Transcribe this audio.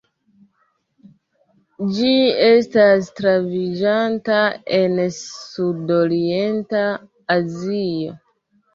Ĝi estas troviĝanta en Sudorienta Azio.